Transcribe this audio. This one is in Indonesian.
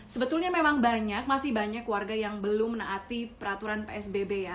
sebetulnya memang banyak masih banyak warga yang belum menaati peraturan psbb ya